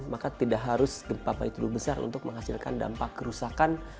maka tidak harus gempa pahitdu besar untuk menghasilkan dampak kerusakan